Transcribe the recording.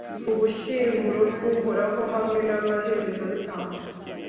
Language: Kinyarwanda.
ubushyinguro bw'uhoraho hamwe n'abaherezabitambo